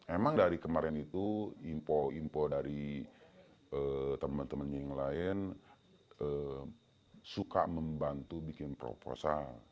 emang dari kemarin itu impor impor dari temen temen yang lain suka membantu bikin proposal